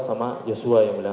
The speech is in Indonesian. sama joshua yang mulia